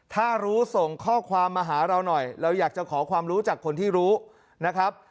ถ้ารู้ส่งข้อความมาหาเราหน่อยเราอยากจะขอความรู้จากคนที่รู้นะครับ